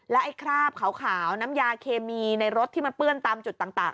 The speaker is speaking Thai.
ไอ้คราบขาวน้ำยาเคมีในรถที่มันเปื้อนตามจุดต่าง